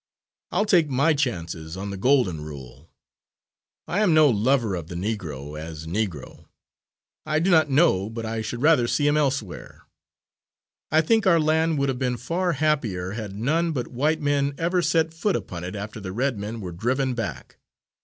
I'll take my chances on the Golden Rule. I am no lover of the Negro, as Negro I do not know but I should rather see him elsewhere. I think our land would have been far happier had none but white men ever set foot upon it after the red men were driven back.